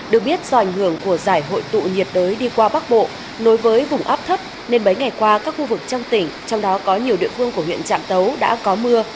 được biết do ảnh hưởng của giải hội tụ nhiệt đới đi qua bắc bộ nối với vùng áp thấp nên mấy ngày qua các khu vực trong tỉnh trong đó có nhiều địa phương của huyện trạm tấu đã có mưa